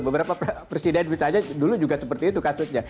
beberapa presiden misalnya dulu juga seperti itu kasusnya